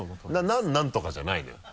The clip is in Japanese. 何なの？とかじゃないのよ。